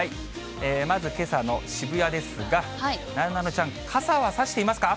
まず、けさの渋谷ですが、なえなのちゃん、傘は差していますか？